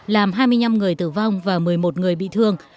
làm hai mươi năm người tử vong và một mươi một người bị thương